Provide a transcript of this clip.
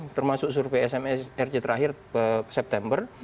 termasuk survei smsrc terakhir september